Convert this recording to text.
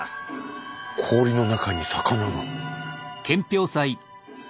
氷の中に魚が。